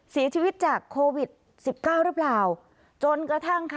เสียชีวิตจากโควิดสิบเก้าหรือเปล่าจนกระทั่งค่ะ